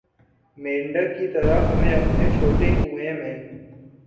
مینڈک کی طرح ہمیں اپنے چھوٹے کنوئیں میں